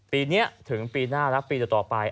ปีนี้ถึงปีหน้าและปีต่อไป